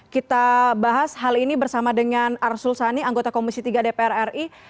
kita bahas hal ini bersama dengan arsul sani anggota komisi tiga dpr ri